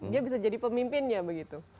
dia bisa jadi pemimpin ya begitu